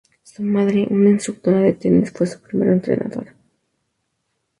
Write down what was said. Su madre, una instructora de tenis, fue su primera entrenadora.